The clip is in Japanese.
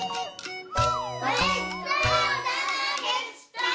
ごちそうさまでした！